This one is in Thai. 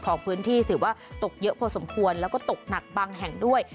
ของพื้นที่ถือว่าตกเยอะพอสมควรแล้วก็ตกหนักบางแห่งด้วย